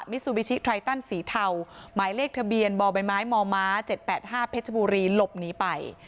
มิซูบิชิไทตันสีเทาหมายเลขทะเบียนบอลใบไม้หมอม้าเจ็ดแปดห้าเพชรบุรีหลบหนีไป